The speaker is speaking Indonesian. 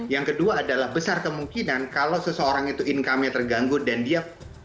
yang kedua adalah besar kemungkinan kalau seseorang itu income nya terganggu dan dia